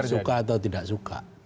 suka atau tidak suka